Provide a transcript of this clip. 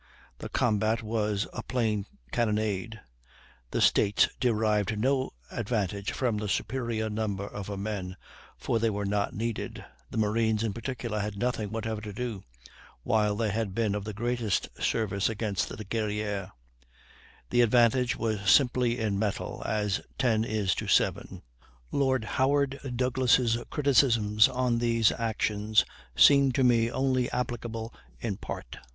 The combat was a plain cannonade; the States derived no advantage from the superior number of her men, for they were not needed. The marines in particular had nothing whatever to do, while they had been of the greatest service against the Guerrière. The advantage was simply in metal, as 10 is to 7. Lord Howard Douglass' criticisms on these actions seem to me only applicable in part.